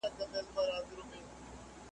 له غړومبي یې رېږدېدل هډ او رګونه .